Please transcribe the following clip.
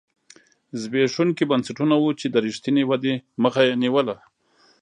زبېښونکي بنسټونه وو چې د رښتینې ودې مخه یې نیوله.